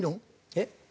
えっ？